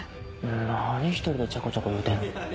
何一人でちゃこちゃこ言うてんの？